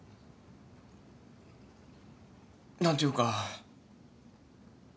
何ていうか。